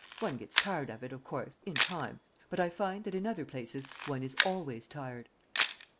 One gets tired of it, of course, in time; but I find that in other places one is always tired."